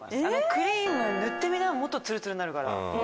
クリーム塗ってみなもっとツルツルになるから。